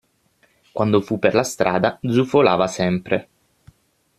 Quando fu per la strada, zufolava sempre.